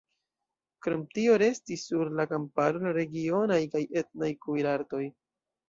Krom tio restis sur la kamparo la regionaj kaj etnaj kuirartoj.